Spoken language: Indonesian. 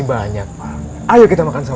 ini adalah pelan makanan kamu